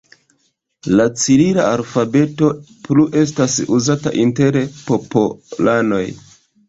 La cirila alfabeto plu estas uzata inter popolanoj.